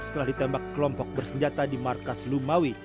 setelah ditembak kelompok bersenjata di markas lumawi